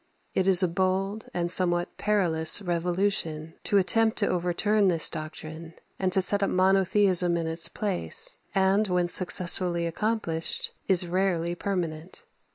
It is a bold and somewhat perilous revolution to attempt to overturn this doctrine and to set up monotheism in its place, and, when successfully accomplished, is rarely permanent.